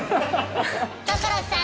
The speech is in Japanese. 所さん